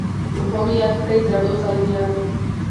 په ښو مي یاد کړی زړو، زلمیانو